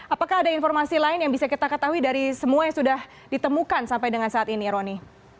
apakah ada informasi lain yang bisa kita ketahui dari semua yang sudah ditemukan sampai dengan saat ini roni